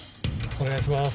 お願いします。